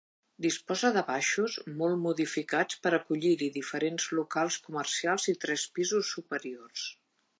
Disposa de baixos, molt modificats per acollir-hi diferents locals comercials i tres pisos superiors.